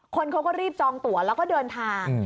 คนเขาก็รีบจองตัวแล้วก็เดินทาง